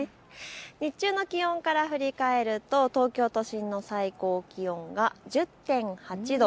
日中の気温から振り返ると東京都心の最高気温が１０．８度。